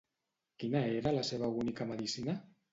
Quina era la seva única medicina?